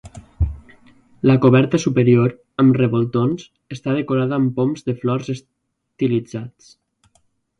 La coberta superior, amb revoltons, està decorada amb poms de flors estilitzats.